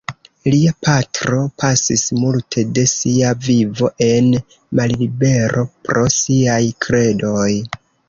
Lia patro pasis multe de sia vivo en mallibero pro siaj kredoj.